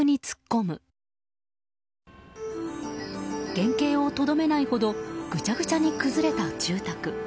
原形をとどめないほどぐちゃぐちゃに崩れた住宅。